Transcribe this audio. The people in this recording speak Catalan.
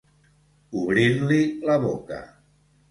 Obrir-li la boca.